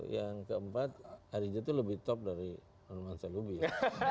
yang keempat riza itu lebih top dari nur mansalubis